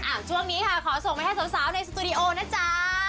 ช่วงนี้ค่ะขอส่งไปให้สาวในสตูดิโอนะจ๊ะ